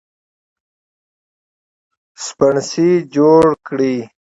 سپڼسي جوړ کړي